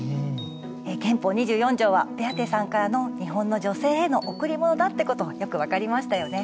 憲法２４条はベアテさんからの日本の女性への贈り物だってことよく分かりましたよね。